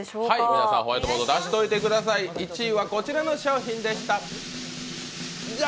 皆さん、ホワイトボード出しておいてください、１位はこちらの商品でした。